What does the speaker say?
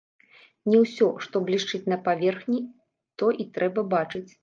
Не ўсё, што блішчыць на паверхні, то і трэба бачыць.